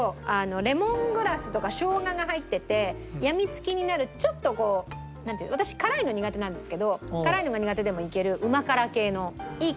レモングラスとかショウガが入っててやみつきになるちょっとこう私辛いの苦手なんですけど辛いのが苦手でもいけるうま辛系のいい香りの。